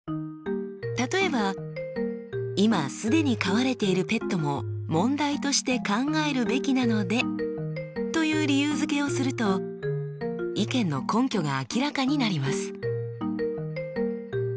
例えばいますでに飼われているペットも問題として考えるべきなのでという理由づけをすると意見の根拠が明らかになります。